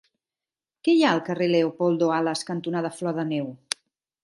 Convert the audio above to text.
Què hi ha al carrer Leopoldo Alas cantonada Flor de Neu?